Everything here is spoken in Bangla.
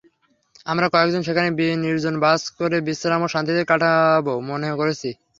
আমরা কয়েকজন সেখানে নির্জন বাস করে বিশ্রাম ও শান্তিতে কাটাব, মনে করেছি।